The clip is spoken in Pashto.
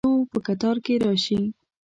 ددې اختر دبخښل شووپه کتار کې راشي